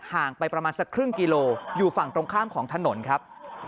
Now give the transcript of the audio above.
ห่างไปประมาณสักครึ่งกิโลอยู่ฝั่งตรงข้ามของถนนครับ